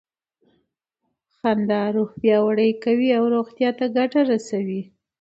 خندا روح پیاوړی کوي او روغتیا ته ګټه رسوي.